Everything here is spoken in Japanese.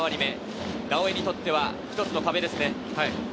直江にとっては一つの壁ですね。